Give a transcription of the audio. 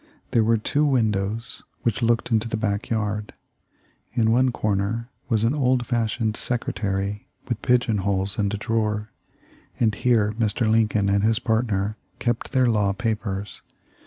There were two windows which looked into the back yard. In one corner was an old fashioned secretary with pigeon holes and a drawer, and here Mr. Lincoln and his partner kept their law papers.